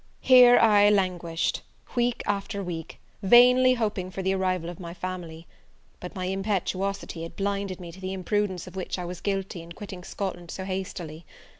Here I languished, week after week, vainly hoping for the arrival of my family; but my impetuosity had blinded me to the imprudence of which I was guilty in quitting Scotland so hastily.